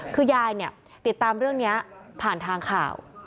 คือยายเนี่ยติดตามเรื่องนี้ผ่านทางข่าว